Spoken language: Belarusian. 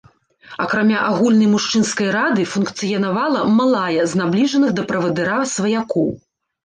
Акрамя агульнай мужчынскай рады функцыянавала малая з набліжаных да правадыра сваякоў.